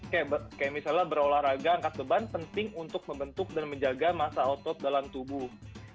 kayak misalnya berolahraga angkat beban penting untuk membentuk dan menjaga masa otot dalam tubuh